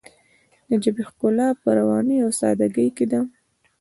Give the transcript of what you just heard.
د ژبې ښکلا په روانۍ او ساده ګۍ کې ده.